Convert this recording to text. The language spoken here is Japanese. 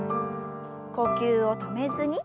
呼吸を止めずに。